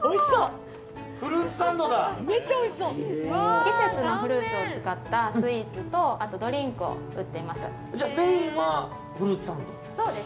季節のフルーツを使ったスイーツとあとはドリンクを売っています。